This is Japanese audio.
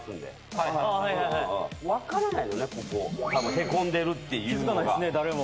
へこんでるっていうのが。